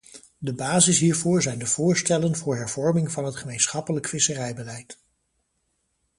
De basis hiervoor zijn de voorstellen voor hervorming van het gemeenschappelijk visserijbeleid.